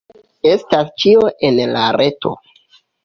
Estas ĉio en la reto.